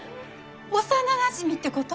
幼なじみってこと？